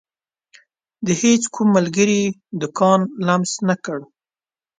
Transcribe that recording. د هيڅ کوم ملګري دکان لمس نه کړ.